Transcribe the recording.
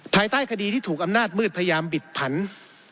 ภายใต้คดีที่ถูกอำนาจมืดพยายามบิดผัน